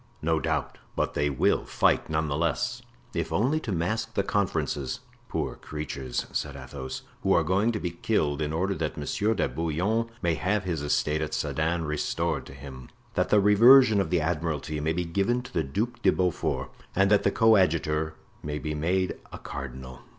"No doubt; but they will fight, none the less, if only to mask the conferences." "Poor creatures!" said Athos, "who are going to be killed, in order that Monsieur de Bouillon may have his estate at Sedan restored to him, that the reversion of the admiralty may be given to the Duc de Beaufort, and that the coadjutor may be made a cardinal."